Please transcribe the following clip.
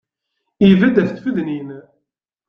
Ibedd af tfednin.